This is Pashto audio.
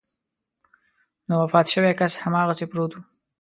نو وفات شوی کس هماغسې پروت و.